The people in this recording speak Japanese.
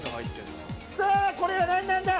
これは何なんだ？